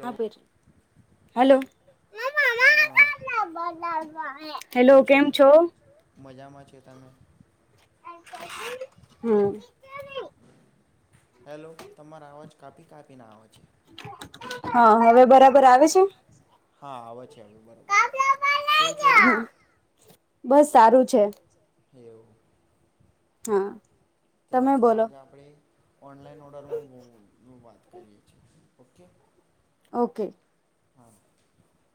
હા પેચી hello hello કેમ છો? હમ હેલો તમારા અવાજ કાપી કાપી ના આવે છે હા હવે બરાબર આવે સ હા આવે છે હવે બરોબર કેવું છો? બસ સારું છે. એવું હા ચાલશે આજ આપડે ઓનલાઈન ઓર્ડરમાં હો વાત કરીએ છે ઓકે. ઓકે.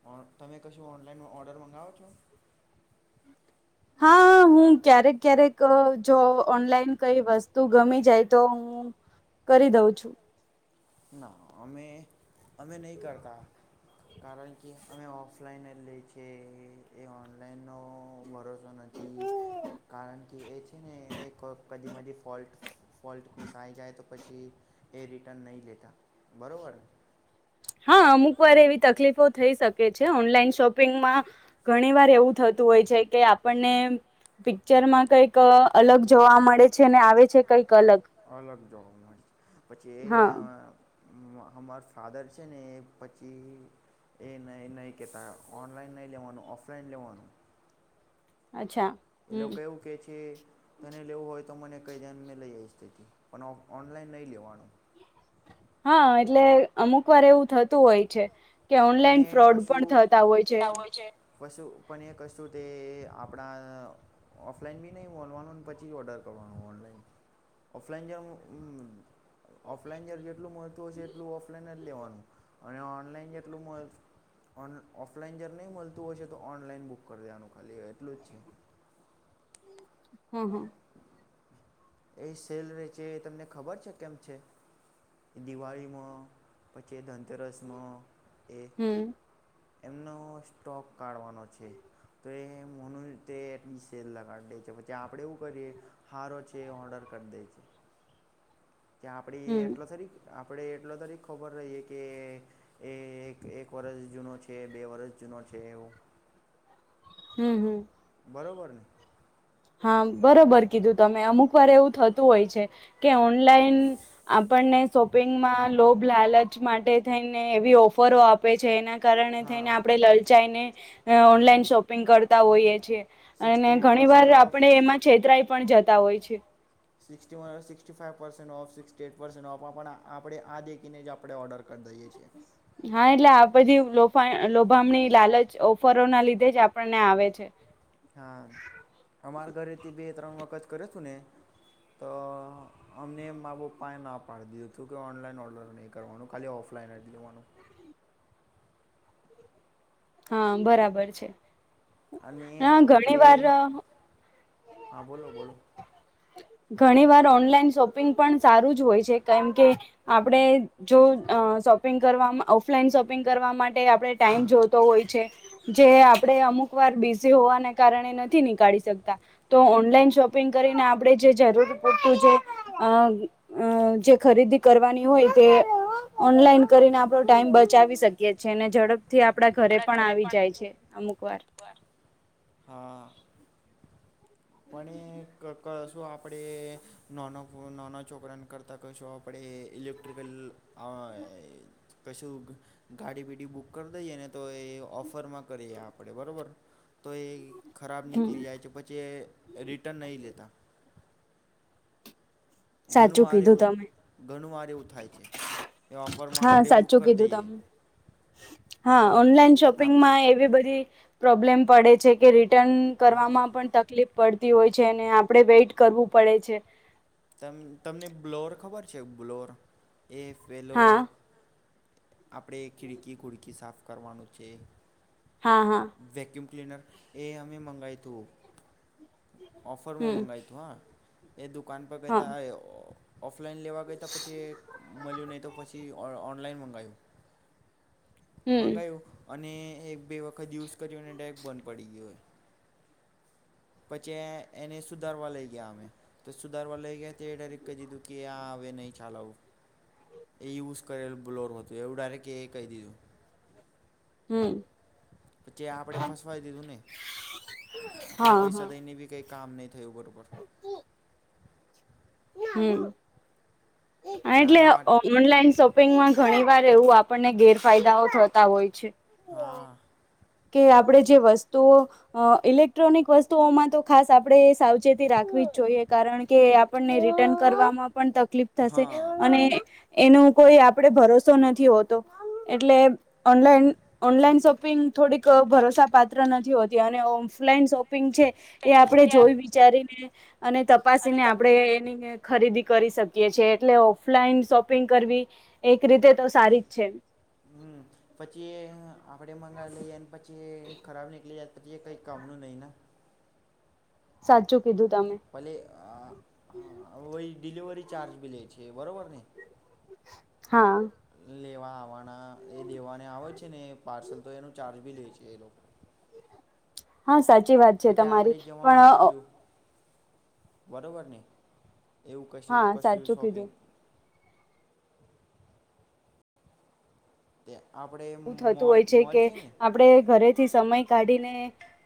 હા તમે કશું ઓનલાઈન ઓર્ડર મંગાવો છો? હા. હું ક્યારેક ક્યારેક અ જો ઓનલાઈન કઈ વસ્તુ ગમી જાય તો હું કરી દઉં છું ના અમે અમે નહી કરતા કારણ કે અમે ઓફલાઈન લેય છે એ ઓનલાઈનનો ભરો સો નથી કારણ કે એ છે ને એક કદી મધી ફોલ્ટ ફોલ્ટ પીસ આવી જાય તો પછી એ રિટ નહી લેતા બરોબર. હા અમુક વાર એવી તકલીફો થઈ શકે છે ઓનલાઈન શોપિંગમાં ઘણી વાર એવું થ તુ હોય છે કે આપણને પિક્ચર માં કઈક અલગ જોવા મળે છે ને આવે છે કઈક અલગ જોવા મળે છે પછી એ અમાર ફાધર છે ને એ પછી એ નહી નહી કેતા ઓનલાઈન નહી લેવાનું ઓફલાઈન લેવાનું અચ્છા. એ લોકો કેવું કે છે તને લેવું હોય તો મને કઈ ધ્યાન મે લઈ આવીઈ પણ ઓનલાઈન નહી લેવાનું હા એટલે અમુક વાર એવું થતું હોય છે. કે ઓનલાઈન ફ્રોડ પણ થતા હોય છે. પશું પણ એ કશું તે આપણા ઓફલાઈન બી નહીં મોલવાનુંને પછી ઓર્ડર [inaudible] ઓફલાઈન જમ હમ ઓફલાઈન જ્યારે જેટલું મળતું હશે એટલું ઓફલાઈન જ લેવાનું અને ઓનલાઈન જેટલું મણ ઓન ઓફલાઈન જ્યારે નહીં મળતું હોયશે તો ઓનલાઈન બુક કરી દેવાનું ખાલી એટલું જ છે. હમ હમ એ સેલ ર છે એ તમને ખબર છે કેમ છે. દિવાળીમાં પછી ધનતેરસમાં એ એમનો સ્ટોક કાઢવાનો છે. તો એ મ તે એટલી સેલ લગાડી દે છે પછી આપડે એવું કરીએ હારો કે ઓડર કરી દે છે. ત્યાં આપણે એટલો થરી આપણે એટલો તરીકે ખબર રહીએ કે એ એક એક વરષ જૂનો છે બે વર્ષ જૂનો છે. જેવ હમ હમ બરાબર નને હા બરોબર કીધું તમે અમુક વાર એવું થતું હોય છે કે ઓનલાઈન આપ આપણને શોપિંગમાં લોભ લાલચ માટે થઈને એવી ઓફરો આપે છે એના કારણે થઈને આપણે લલચાઈને ઓનલાઈન શોપિંગ કરતા હોઈએ છીએ અને ઘણી સન્ટ ઓફ છેતરાય પણ જતા હોય છે. Sixteen sixty five percent of, sixty eight percent of આપ પણ આપણે આ દેખને આપણે ઓર્ડર કર કરી દઈ છે. બધી લો લોભામણી લાલચ ઓફરો ના લીધે જ આપણને આવે છે. હા અમારા ઘરેથી બે ત્રણ વખત કરે છું ને તો અમને એમ બુ પાાય ના પાડી દીધું તું કે ઓનલાઈન ઓર્ડર નહી કરવાનું ખાલી ઓફ ફ્ લાઈનર જ લુંવાનું [inaudible] હા બરાબર છે અને આપડે હા બોલો બોલો ઘણી વાર ઓનલાઈન શોપિંગ પણ સારું જ હોય છે કેમ કે આપડે જો અ શોપિંગ કરવાવામાં ઓફલાઈન શોપિંગ કરવા માટે આપણે ટાઈમ જોતો હોય છે જે આપણે અમુક વાર બિઝી હોવાને કારણે નથી નીકાળી શકતા તો ઓનલાઈન શોપિંગ કરીને આપણે જે જરૂર પડતું જે અ જે ખરીદી કરવાની હોય તે ઓનલાઈન કરીને આપડો ટાઈમ બચાવી શકીએ છીએ અને ઝડપથી આપ આપડા ઘરે પણ આવી જાય છે અમુક વાર હા પણ એક કશું આપણે નાના નાના છોકરાને કરતાં કશું આપણે ઇલેક્ટ્રિકલ હ પછું ગાડી પીડી બુક કરી દઈએ ને તો એ ઓફરમાં કરી તે આપણે બરાબર તો એ ખરાબ નીકળી જાય છે પછી એ રિટર્ન નહીં લેતા ઘણું વારે ઘણુંરે વું થાય છે એ ઓફરમાં આપણે બુક કરી દઈએ હા ઓનલાઈન શોપિંગમાં એવી બધી પ્રોબ્લેમ પડે છે, કે રિટર્ન કરવામાં પણ તકલીફ પડ હોય છે અનેને આપડે વેઈટ કરવું પડે છે ત તમને બ્લોર ખબર છે બ્લોર એ પેલો આપણે ખીડકી ખુડકી સાફ કરવાનું છે, હા હા ક્લીનર એ અમે મંગાવી હતું, ઓફરમાં મંગાવ હતું હા એ દુકાન પર કહેતા ઓફલાઈન લેવા ગયા ત પછી મળ્યું નહીં તો પછી ઓનલાઈન મંગાયું મંગાયું અને એક બે વખત યુઝ કર્યો અને ડાયરેક્ટ બંધ પડી ગયોય પછી એને સુધારવા લઈ ગયા અમે તો સુધારવા લઈ ગયા ડાયરેક કહી દીધું કે આ હવે નહી ચાલવું, એ યુઝ કરેલું બ્લોર હતું એવું ડાયરેક્ટ એ કહી દીધું હમ્મ પછી આપડે ફસવાઈ દીધું ને આપે પૈસા દઈને બી કઈક કામ નહી થયું બરોબર હમ્મ અને એટલે ઓનલાઈન શોપિંગમાં ઘણી વાર એવું આપણને ગેરફાયદાઓ થતા હોય છે, હા કે આપણેે જે વસ્તુઓ ઇલેક્ટ્રોનિક વસ્તુઓમાં તો ખાસ આપડે સાવચેતી રાખ સ્ જોઈએ કારણ કે આપણને રિટર્ન કરવામાં પણ તકલીફ થશે અને એનો કોઈ આપડે ભરોસો નથી હોતો, એટલે ઓનલાઈન ઓનલાઈન શોપિંગ થોડીક ભરોસા પાત્ર નથી હોતી અને ઓફ એ આપણે જોઈ વિચારીને અને તપાસીને આપણે એની ખરીદી કરી શકીએ એટલે ઓફલાઈન શોપિંગ કરવી એક રીતે તો સારી જ છે. કપડે મંગાવી લઈએને પછી ખરાબ નીકળી જ પછી કઈક કામનું નહી ને સાચ ભલે વ ડિલિવરી ચાર્જ બી લે છે બરોબર ને હા લેવા આવવાના એ દેવાને આવે છે ને એ પાર્સલ તો એનું ચાર્જ ભી લે છે, એ લોકો હા સાચી વાત છે તમારી પણ બરોબર ને એવું કશ કશું શોપિંગ તેયા એવું થતું હોય છે કે આપડ ઘરે થી સમય કાઢીને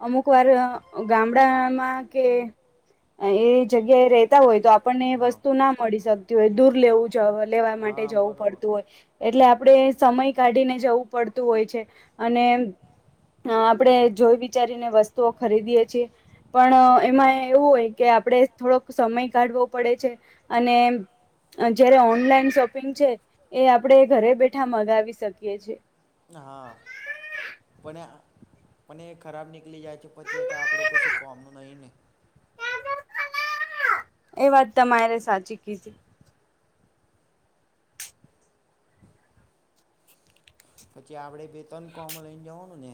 અમુક વાર ગામડામાં કે એ જગ્યાએ રેતા હોય તો આપણને એ વસ્તુ ના મળી શકતી હોય દૂર લેવું લેવા માટે જવું પડતું હોય એટલે આપણે સમય કાઢીને જવું, હોય છે અને આપણે જોઈ વિચારીને વસ્તુઓ ખરીદીયે છીએ, પણ એમાં એવું હોય કે આપડણે થોડોક સમય કાઢવો પડે છે, અને જયારે ઓનલાઈન શોપિંગ છે એ આપણેે ઘરે બેઠા મગાવી શકીએ છે, હા પણ પણ એ ખરાબ નીકળી જાય છે, પછી આપણું કોઈ સુૂખવામનું નહી ને [unintelligible] એ વાત તમારે સાચી કી છે પછી આપડે બે તન કોમ લઈને જવાનું ને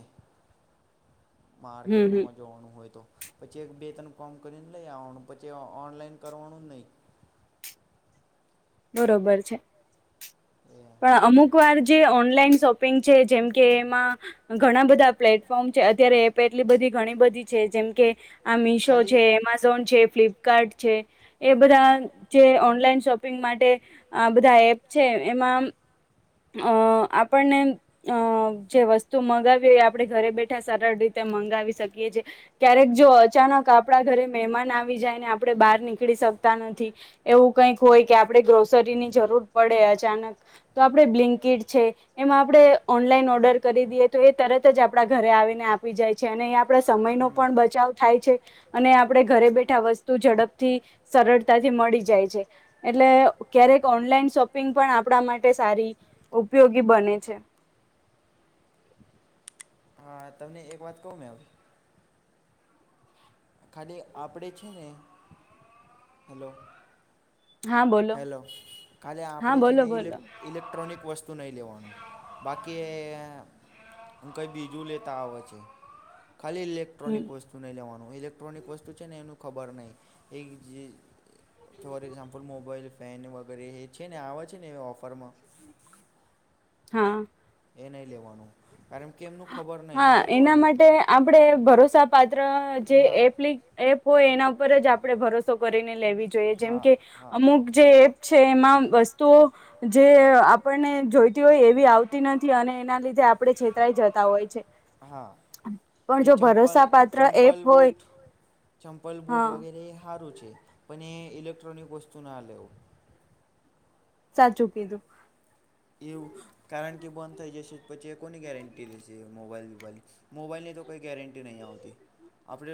માર્કેટમાં જોવાનું હોય તો પછી એક બે ત્રણ કોમ કરીને લઈ આવવાનું પછી ઓનલાઈન કરવાનું જ નહી બરોબર છે. પણ અમુક વાર જે ઓનલાઈન શોપિંગ છે જેમ કે એમાં ઘણા બધા પ્લેટફોર્મ છે અત્યારે એપે એટલી બધી ઘણી બધી છે જેમ કે આ મીશો છે એમેઝોન છે ફ્લિપ કાર્ટ છે એ બધા જે ઓનલાઈન શોપિંગ માટે આ બધા એપ છે એમાં અ આપણને અ જે વસ્તુ મગાવ્યું એ આપણે ઘરે બેઠા સરળ રીતે મંગાવી શકીએ છે ક્યારેક જો અચાનક આપડા ઘરે મહેમાન આવી જાય ને આપણે બહાર નીકળીકી સા કતા નથી એવું ક હોય કે આપ ગ્રોસરીની જરૂર પડે આપડે આપ બ્લિંકીિટ છે એમાં આપણે ઓનલાઈન ઓર્ડર કરી દઈએ તો એ તરત જ આપણા ઘરે આવીને આપી જાય છે અને આપડે સમય ન પણ બચાવ થાય છે અને આપણે ઘરે બેઠા વસ્તુ ઝડપથી સરળતાથી મળી જાય છે એટલે ક્યારેક ઓનલાઈન શોપિંગ પણ આપણા માટે સારી ઉપયોગી બને છે. હા તમને એક વાત કહું મેં? ખાલી આપડે છે ને હેલો. હેલો કાલે આપડે છે ને ઇલે ઇલેક્ટ્રોનિક ક વસ્તુ નહીં લેવાનું બાકી હું કઈ બીજું લેતા આવે છે. ખાલી ઇલેક્ટ્રોનિક વસ્તુ નહીં લેવાનું ઇલેક્ટ્રોનિક વસ્તુ છે ને એનું ખબર નહીં એજ ફોર એક્ઝામ્પલ મોબાઈલ ફેન વગેરે એ છે ને આવે છે ને એ ઓફરમાં. હા. એ નહ લેવાનું કારમ કે એમનું ખબર નહ બરોબર ને. જેપ એપ હોય એના પર જ આપ આપણે ભરોસો કરીને લેવી જોઈએ જેમ કે અમુક જે એપ છે એમાં વસ્તુઓ આપણને જોઈતી હોય એવી આવતી નથી અને એના લીધે આપડે છેતરાઈ જતા હોય છે. હા. એ ચંપલ ચંપલ બૂટ ચંપલ બૂટ વગેરે હારું છે પણ એ ઇલેક્ટ્રોનિક વસ્તુ ના લેવ. સાચું કીધું. એવું કારણ કે બંધ થઈ જશે પછી એ કોની ગેરંટી થશે મોબાઈલ મોબલ મોબાઈલની તો કોઈ ગેરંટી નહી આવતી. આપણે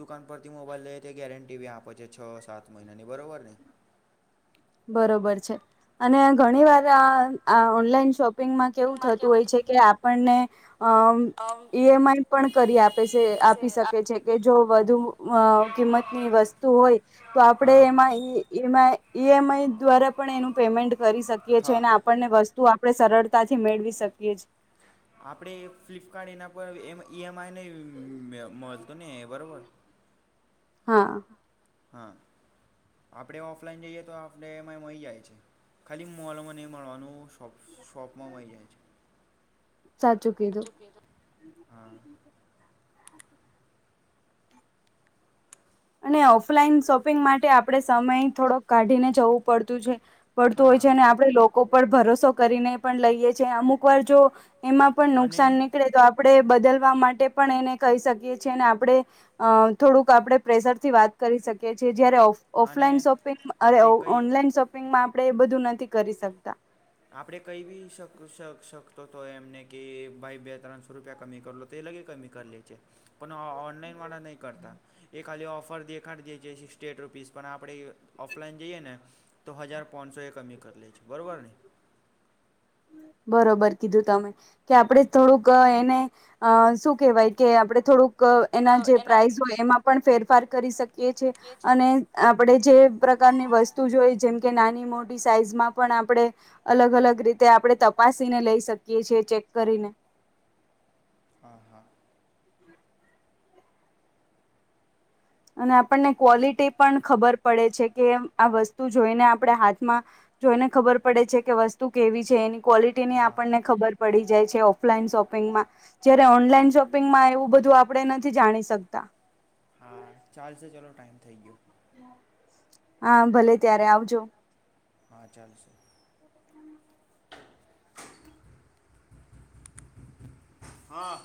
દુકાન પરથી મોબાઈલ લઈએ તે ગેરંટી બી આપે છે છ સાત મહિનાની બરોબર ને? બરોબર છે અને ઘણી વાર આ ઓનલાઈન શોપ પિંગમાં કેવું થતું હોય છે કે આપણને અ ઈએમઆઈ પણ કરી આપે છે આપી શકે છે કે જો વધુ અ કિંમતની વસ્તુ હોય તો આપણેે એમાં ઈ એમાં ઈ એમ આઈ દ્વારા પણ એનું પેમેન્ટ કરી શકીએ છેએ ને આપણને વસ્તુ આપ આપણે સરળતાથી મેળવી શકીએ આપડે ફ્લિપકાર્ટ એના પર એ ઈ એમ આઈ નને મળતું ને બરોબર. હા. હા. [inaudible] શોપમાં મઈ હ. અને ઓફલાઈન શોપિંગ માટે આપણેે સમય થોડોક કાઢીને જવું પડતું છે. પડતું હોય છે અને આપણે લોકો પર ભરોસો કરીને પણ લઈએ છે અમુક વાર જો એમાં પણ નુકસાન નીકળે તો આપડે બદલવા માટે પણ એને કહી શકીએ છી અનેને આપણે અ થોડુંક આપણે પ્રેશર થી વાત કરી શકીએ છીએ જયારે ઓફલાઈન શોપિંગ અને ઓનલાઈન શોપિંગમાં આપડે એ બધું નથી કરી શકતા. આપડે કઈ બી સકતો તો એમને કે ભાઈ બે ત્રણસો રૂપિયા કમી કર લો તે ઓે રૂપીસ પણ આપણે ઓફલાઈન જઈએ ને તો હજાર પોણસો એ કમી કરી લે છે બરોબર ને બરોબર કીધું તમે કે આપણે થોડુંક એને અ શું કેહેવાય કે આપડે થોડુંક એના જે પ્રાઇઝ હોય એમાં પણ ફેરફાર કરી શકે છે અને આપણે જે પ્રકારની વસ્તુ જોઈ જેમ કે નાની મોટી સાઈઝમાં પણ આપડે અલગ અલગ રીતે આપણે તપાસીને લઈ શકીએ છીએ ચેક કરીને હા હા અને આપણને ક્વોલિટી પણ ખબર પડે છે કે આ વસ્તુ જોઈને આપણે હાથમાં જોઈને ખબર પડે છે કે વસ્તુ કેવી છે એની ક્વોલિટીની આપણને ખબર પડી જાય છે ઓફલાઈન શોપ માં જારે ઓનલાઈન શોપિંગમાં એવું બધું આપણે નથી જાણી શકતા હા ચાલશે ચાલો ટાઈઇમ થઈ ગયો હા ભલે ત્યારે આવજો હા ચાલશે હા